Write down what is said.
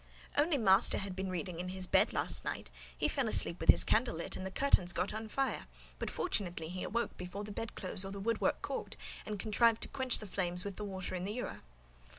"Only master had been reading in his bed last night; he fell asleep with his candle lit, and the curtains got on fire; but, fortunately, he awoke before the bed clothes or the wood work caught, and contrived to quench the flames with the water in the ewer."